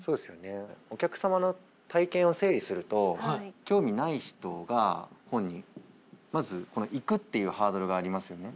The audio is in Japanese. お客様の体験を整理すると興味ない人が本にまずこのいくっていうハードルがありますよね。